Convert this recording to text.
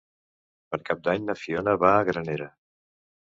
Per Cap d'Any na Fiona va a Granera.